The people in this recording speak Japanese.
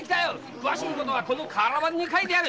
詳しいことはこの瓦版に書いてある！